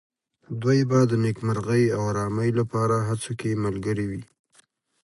دوی به د نېکمرغۍ او آرامۍ لپاره هڅو کې ملګري وي.